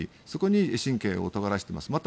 そこに神経をとがらせています。